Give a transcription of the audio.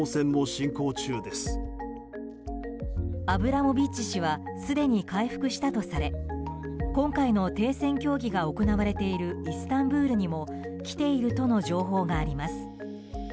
アブラモビッチ氏はすでに回復したとされ今回の停戦協議が行われているイスタンブールにも来ているとの情報があります。